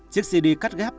chiếc cd cắt ghép